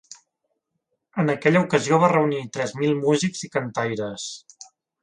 En aquella ocasió va reunir tres mil músics i cantaires.